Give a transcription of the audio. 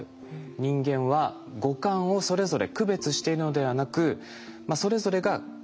人間は五感をそれぞれ区別しているのではなくそれぞれが関わっている。